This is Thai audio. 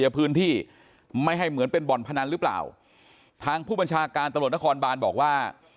ในพื้นที่ไม่ให้เหมือนเป็นบ่อนพนันหรือเปล่าทางผู้บัญชาการตำรวจนครบานบอกว่า